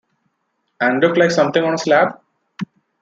And looked like something on a slab?